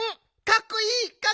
かっこいい！